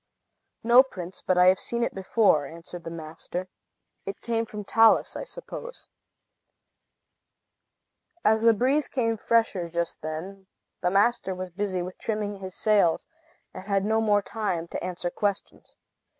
"No, prince; but I have seen it before," answered the master. "It came from Talus, I suppose." As the breeze came fresher just then, the master was busy with trimming his sails, and had no more time to answer questions.